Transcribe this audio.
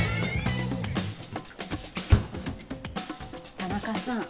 田中さん